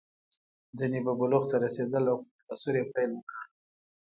ځینې به بلوغ ته رسېدل او په تکثر یې پیل وکړ.